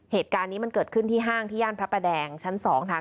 เหตุการณ์นี้มันเกิดขึ้นที่ห้างที่ย่านพระประแดงชั้น๒ค่ะ